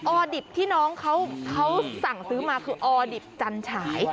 อดิบที่น้องเขาสั่งซื้อมาคือออดิบจันฉาย